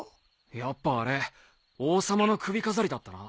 やっぱあれ王様の首飾りだったな。